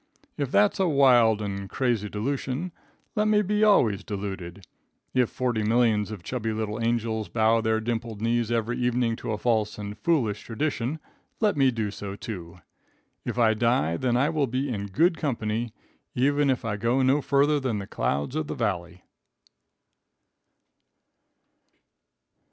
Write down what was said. "If that's a wild and crazy delusion, let me be always deluded. If forty millions of chubby little angels bow their dimpled knees every evening to a false and foolish tradition, let me do so, too. If I die, then I will be in good company, even if I go no farther than the clouds of the valley."